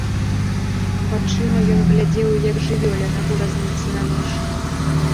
Вачыма ён глядзеў, як жывёліна ў разніцы на нож.